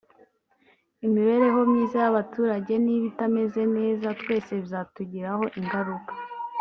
imibereho myiza y’abaturage niba itameze neza twese bizatugiraho ingaruka